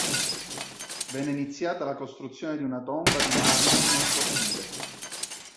Venne iniziata la costruzione di una tomba di marmo nel cortile.